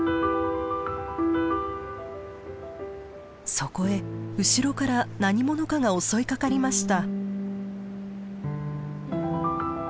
そこへ後ろから何者かが襲いかかりました。